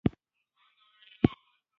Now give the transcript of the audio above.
زه خواړه خورم